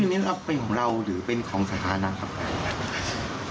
เน้นรับเป็นของเราหรือเป็นของสาธารณะครับ